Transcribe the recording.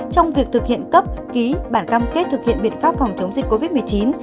trong việc thực hiện cấp ký bản cam kết thực hiện biện pháp phòng chống dịch covid một mươi chín